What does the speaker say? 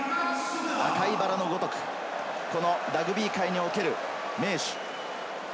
赤いバラのごとく、このラグビー界における名手。